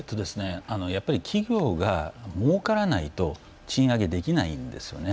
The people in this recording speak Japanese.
企業がもうからないと賃上げできないんですよね。